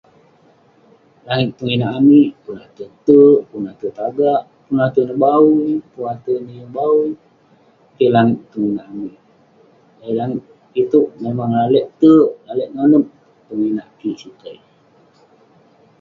Langit tong inak amik, pun ate te'ek, pun ate tagak, pun ate neh bawuih, pun ate neh yeng bawuih. Keh langit tong inak amik. Langit itouk lalek te'ek lalek nonep tong inak kik sitei.